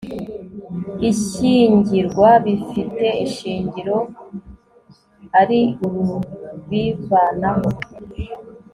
ishyingirwa bifite ishingiro ari urubivanaho